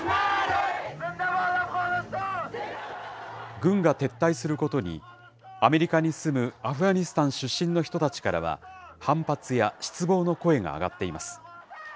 軍が撤退することにアメリカに住むアフガニスタン出身の人たちからは、反発や失望の声が上がっています。